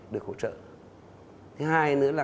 được hỗ trợ thứ hai nữa là